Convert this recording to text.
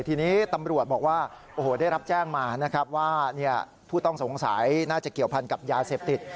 ทีนี้ตำรวจบอกว่าโอ้โหได้รับแจ้งมานะครับว่าผู้ต้องสงสัยน่าจะเกี่ยวพันกับยาเสพติด